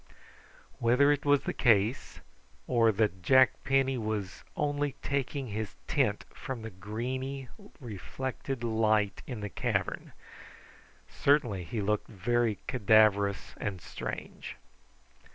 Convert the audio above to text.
Whether it was the case, or that Jack Penny was only taking his tint from the greeny reflected light in the cavern, certainly he looked very cadaverous and strange.